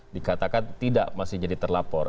dikatakan tidak masih jadi terlapor